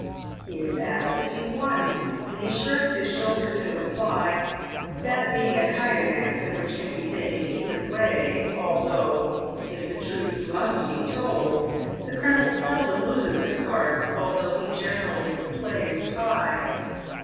He is asked if he won, and he shrugs his shoulders in reply, that being a kind of answer which can be taken either way, although, if the truth must be told, the colonel seldom loses at cards, although he generally plays high.